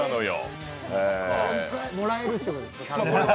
もらえるってことですか？